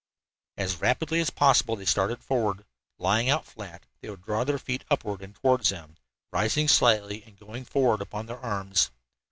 As rapidly as possible they started forward. Lying out flat, they would draw their feet upward and toward them, rising slightly and going forward upon their arms.